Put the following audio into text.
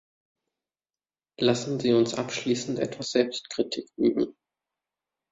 Lassen Sie uns abschließend etwas Selbstkritik üben.